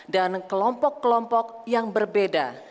dan kelompok kelompok yang berbeda